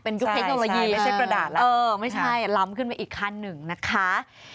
เป็นยุคเทคโนโลยีเออไม่ใช่ล้ำขึ้นไปอีกคันหนึ่งนะคะใช่ไม่ใช่กระดาษ